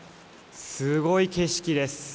すごい景色です。